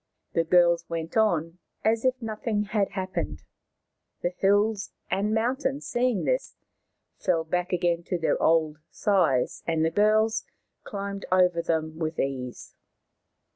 The girls went on as if nothing had hap pened ; the hills and mountains, seeing this, fell back again to their old size, and the girls climbed over them with ease.